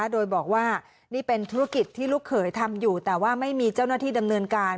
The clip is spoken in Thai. โดยบอกว่านี่เป็นธุรกิจที่ลูกเขยทำอยู่แต่ว่าไม่มีเจ้าหน้าที่ดำเนินการ